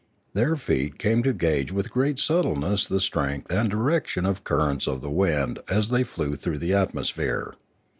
Their feet came to gauge with great subtleness the strength and direction of cur rents of the wind as they flew through thg atmosphere.